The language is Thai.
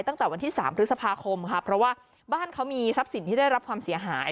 ตั้งแต่วันที่๓พฤษภาคมค่ะเพราะว่าบ้านเขามีทรัพย์สินที่ได้รับความเสียหาย